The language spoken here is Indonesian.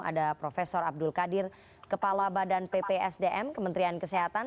ada prof abdul qadir kepala badan ppsdm kementerian kesehatan